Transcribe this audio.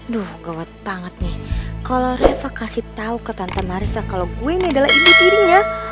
duh gawat banget nih kalo reva kasih tau ke tante marissa kalo gue ini adalah ibu dirinya